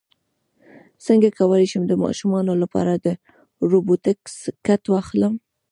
څنګه کولی شم د ماشومانو لپاره د روبوټکس کټ واخلم